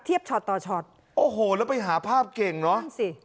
ช็อตต่อช็อตโอ้โหแล้วไปหาภาพเก่งเนอะนั่นสิ